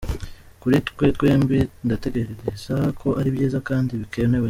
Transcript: Kuri twe twembi…ndatekereza ko ari byiza kandi bikenewe…”.